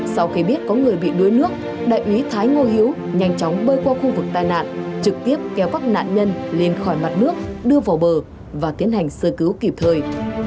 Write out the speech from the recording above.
sau khi biết có người bị đuối nước đại úy thái ngô hiếu nhanh chóng bơi qua khu vực tai nạn trực tiếp kéo các nạn nhân lên khỏi mặt nước đưa vào bờ và tiến hành sơ cứu kịp thời